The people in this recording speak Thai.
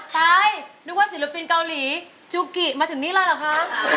ตายนึกว่าศิลปินเกาหลีจูกิมาถึงนี่เลยเหรอคะ